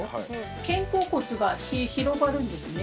肩甲骨が広がるんですね。